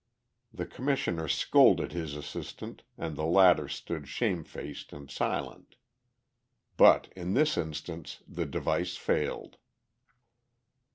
The Commissioner scolded his assistant, and the latter stood shamefaced and silent. But in this instance the device failed.